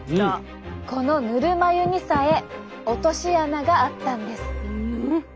このぬるま湯にさえ落とし穴があったんです。